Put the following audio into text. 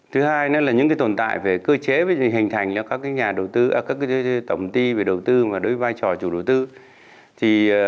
thứ hai những tồn tại về cơ chế hình thành các tổng ti về đầu tư và đối với vai trò chủ đầu tư